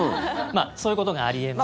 そういうことがあり得ます。